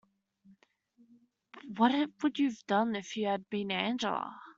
What would you have done if you had been Angela?